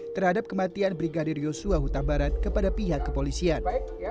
terhadap kematian brigadir yosua hutambaran kepada pihak kepolisian